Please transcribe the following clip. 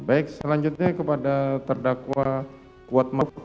baik selanjutnya kepada terdakwa kuatma